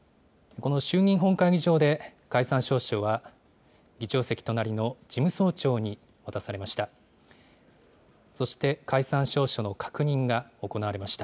この衆議院本会議場で、解散詔書は、議長席隣の事務総長に渡されました。